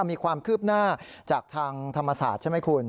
มีความคืบหน้าจากทางธรรมศาสตร์ใช่ไหมคุณ